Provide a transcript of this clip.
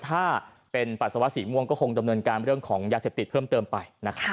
ถ้าเป็นปัสสาวะสีม่วงก็คงดำเนินการเรื่องของยาเสพติดเพิ่มเติมไป